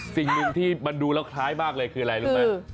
สิ่งหนึ่งที่มันดูแล้วคล้ายมากเลยคืออะไรรู้ไหม